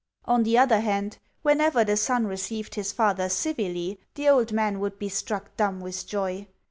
On the other hand, whenever the son received his father civilly the old man would be struck dumb with joy.